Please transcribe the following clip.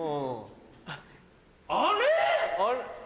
あれ？